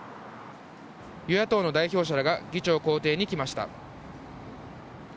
与野党の代表者らが議長公邸に来ました。